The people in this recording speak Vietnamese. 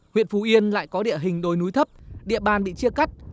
huyện phú yên lại có địa hình đồi núi thấp địa bàn bị chia cắt